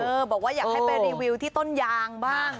บอกว่าอยากให้ไปรีวิวที่ต้นยางบ้าง